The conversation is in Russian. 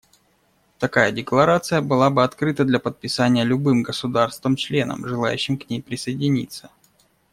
Такая декларация была бы открыта для подписания любым государством-членом, желающим к ней присоединиться.